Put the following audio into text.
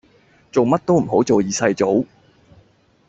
做乜都唔好做二世祖